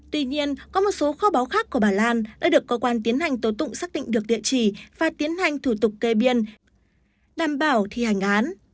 tuy nhiên có một số kho báo khác của bà lan đã được cơ quan tiến hành tố tụng xác định được địa chỉ và tiến hành thủ tục kê biên đảm bảo thi hành án